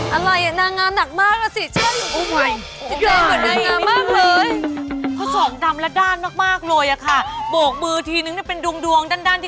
อะไรอะนางงานหนักมากละสิชอบอยู่กับนางงานมากเลย